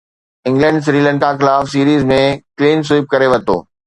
England Sri Lanka خلاف series ۾ clean sweep ڪري ورتو